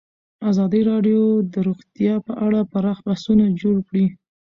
ازادي راډیو د روغتیا په اړه پراخ بحثونه جوړ کړي.